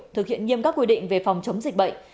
thực hiện nghiêm các quy định về phòng chống dịch bệnh